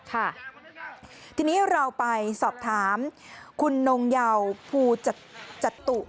ทีนี้เราไปสอบถามคุณนงเยาภูจตุ